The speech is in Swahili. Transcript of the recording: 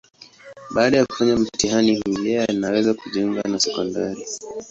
Baada ya kufanya mtihani huu, yeye anaweza kujiunga na sekondari.